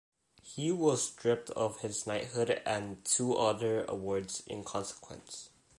He was stripped of his knighthood and two other awards in consequence.